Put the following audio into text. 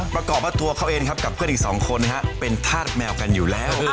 ประกอบว่าตัวเขาเองครับกับเพื่อนอีก๒คนเป็นธาตุแมวกันอยู่แล้ว